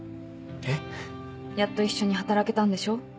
えっ？やっと一緒に働けたんでしょ。